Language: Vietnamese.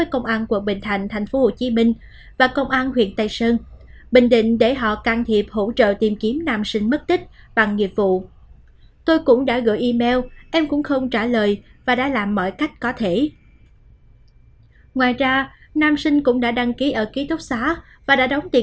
cảm ơn các bạn đã theo dõi